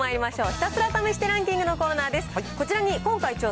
ひたすら試してランキングのコーナーです。